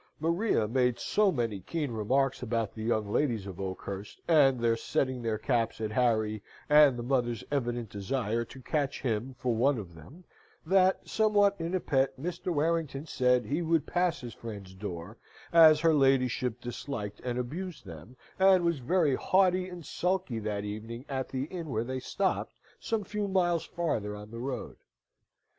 Maria made so many keen remarks about the young ladies of Oakhurst, and their setting their caps at Harry, and the mother's evident desire to catch him for one of them, that, somewhat in a pet, Mr. Warrington said he would pass his friends' door, as her ladyship disliked and abused them; and was very haughty and sulky that evening at the inn where they stopped, some few miles farther on the road.